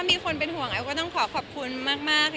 มีคนเป็นห่วงแอฟก็ต้องขอขอบคุณมาก